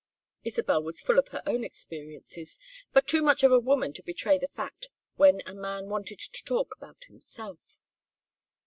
Isabel was full of her own experiences, but too much of a woman to betray the fact when a man wanted to talk about himself.